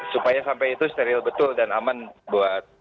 supaya sampai itu steril betul dan aman buat